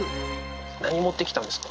何持ってきたんですか？